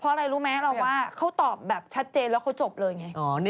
เพราะอะไรรู้ไหมเราว่าเขาตอบแบบชัดเจนแล้วเขาจบเลยไง